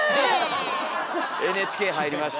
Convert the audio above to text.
「ＮＨＫ」入りました。